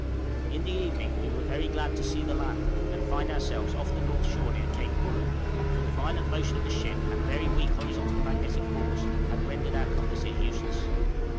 In the evening we were glad to see the land, and find ourselves off the north shore near Cape Bullen, for the violent motion of the ship and very weak horizontal magnetic force had rendered our compasses useless.